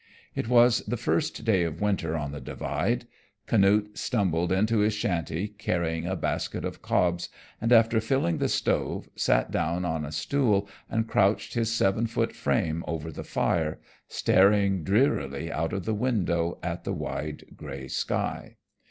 It was the first day of winter on the Divide. Canute stumbled into his shanty carrying a basket of cobs, and after filling the stove, sat down on a stool and crouched his seven foot frame over the fire, staring drearily out of the window at the wide gray sky.